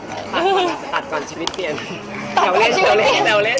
ตัดก่อนชีวิตเปลี่ยน